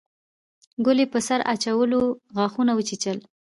ګلي په سر اچولو غاښونه وچيچل.